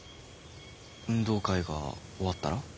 運動会が終わったら。